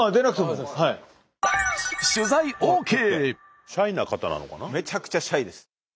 スタジオめちゃくちゃシャイです。